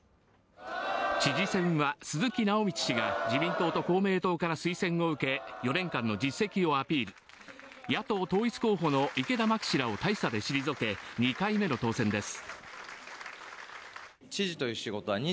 知事選は鈴木直道氏が自民党と公明党から推薦を受け４年間の実績をアピール、野党統一候補の池田真紀氏らを大差で退け、２回目の当選です。